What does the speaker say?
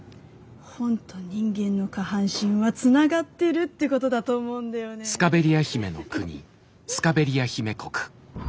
本と人間の下半身はつながってるってことだと思うんだよねフフフ。